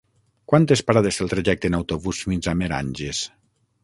Quantes parades té el trajecte en autobús fins a Meranges?